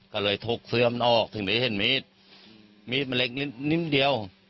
ก็เลยถกเสื้อมันออกถึงได้เห็นมีดมีดมันเล็กนิดเดียว